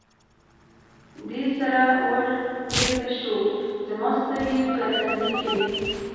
دې سره ور بېرته شو، زما سترګې په تندي کې وې.